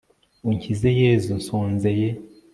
unkizeyezu nsonzeye